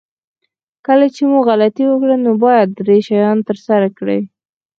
کله چې مو غلطي وکړه نو باید درې شیان ترسره کړئ.